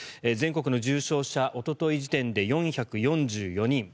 全国の重症者おととい時点で４４４人。